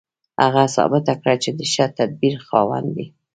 هغه ثابته کړه چې د ښه تدبیر خاوند دی